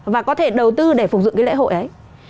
và có thể đầu tư để phục dựng cái lễ hội ấy